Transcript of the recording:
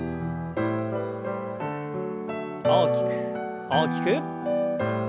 大きく大きく。